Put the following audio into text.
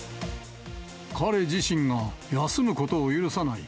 彼自身が、休むことを許さない。